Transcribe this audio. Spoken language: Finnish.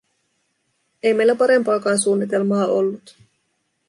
Ei meillä parempaakaan suunnitelmaa ollut.